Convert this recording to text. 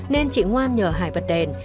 nên chị ngoan nhờ hải bật đèn